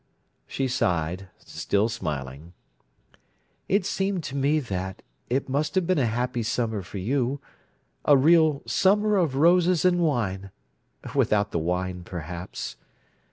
She sighed, still smiling. "It's seemed to me that, it must have been a happy summer for you—a real 'summer of roses and wine'—without the wine, perhaps.